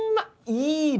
いいね。